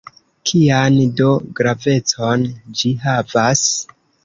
Kian do gravecon ĝi havas?